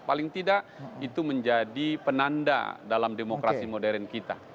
paling tidak itu menjadi penanda dalam demokrasi modern kita